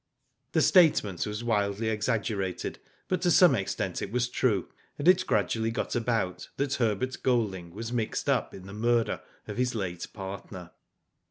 » The statement was wildly exaggerated, but to some extent it was true, and it gradually got about that Herbert Golding was mixed up in the murder of his late partner.